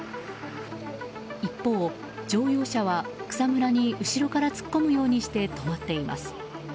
一方、乗用車は草むらに後ろから突っ込むようにして止まっています。